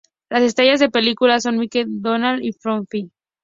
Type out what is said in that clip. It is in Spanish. Las estrellas de la película son Mickey, Donald y Goofy.